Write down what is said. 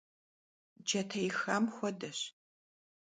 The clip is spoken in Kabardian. Cate yixam xuedeş.